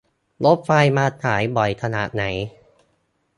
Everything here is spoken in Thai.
รถไฟมาสายบ่อยขนาดไหน